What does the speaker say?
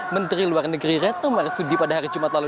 menteri luar negeri retno marsudi pada hari jumat lalu